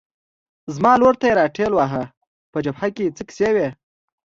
زما لور ته یې را ټېل واهه، په جبهه کې څه کیسې وې؟